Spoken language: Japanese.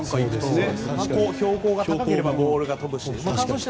標高が高ければボールが飛ぶし。